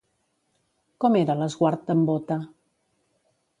Com era l'esguard d'en Bóta?